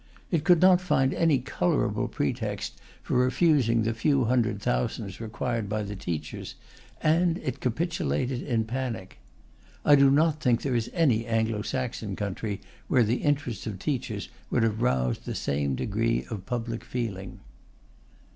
It could not find any colourable pretext for refusing the few hundred thousands required by the teachers, and it capitulated in panic. I do not think there is any Anglo Saxon country where the interests of teachers would have roused the same degree of public feeling.